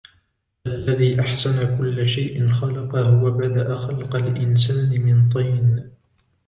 الَّذِي أَحْسَنَ كُلَّ شَيْءٍ خَلَقَهُ وَبَدَأَ خَلْقَ الْإِنْسَانِ مِنْ طِينٍ